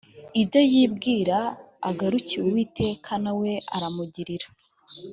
ibyo yibwira agarukire uwiteka na we aramugirira